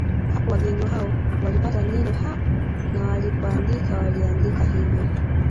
Hapo wageni hao walipata neno Ha na walipoandika waliaandika hivyo